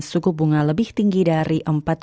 suku bunga lebih tinggi dari